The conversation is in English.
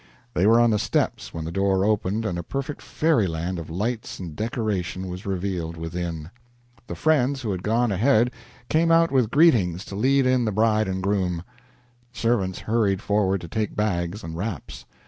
They were on the steps when the door opened and a perfect fairyland of lights and decoration was revealed within. The friends who had gone ahead came out with greetings to lead in the bride and groom. Servants hurried forward to take bags and wraps.